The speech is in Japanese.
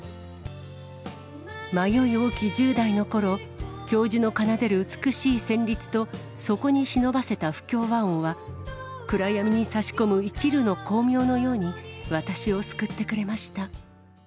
迷い多き１０代のころ、教授の奏でる美しい旋律と、そこに忍ばせた不協和音は、暗闇にさし込むいちるの光明のように、私を救ってくれました。